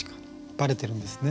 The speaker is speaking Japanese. バレてるんですね